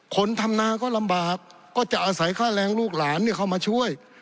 คนทำนาก็ลำบากก็จะอาศัยค่าแรงลูกหลานเข้ามาช่วย